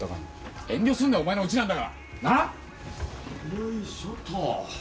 よいしょっと。